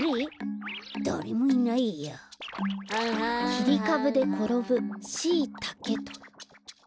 「きりかぶでころぶシイタケ」と。